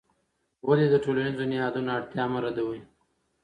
ولې د ټولنیزو نهادونو اړتیا مه ردوې؟